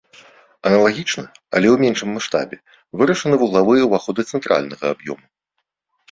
Аналагічна, але ў меншым маштабе, вырашаны вуглавыя ўваходы цэнтральнага аб'ёму.